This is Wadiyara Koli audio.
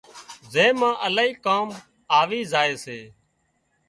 زين مان الاهي ڪام آوِي زائي سي